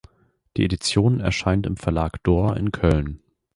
Die Edition erscheint im Verlag Dohr in Köln.